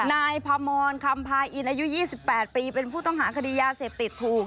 นายพมรคำพาอินอายุ๒๘ปีเป็นผู้ต้องหาคดียาเสพติดถูก